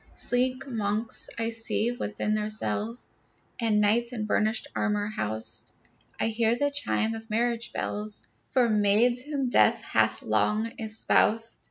Sleek monks I see within their cells, And knights in burnished armor housed. I hear the chime of marriage bells For maids whom death hath long espoused.